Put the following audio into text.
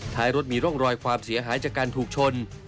ท้ายรถมีร่องรอยความเสียหายจากการถูกชน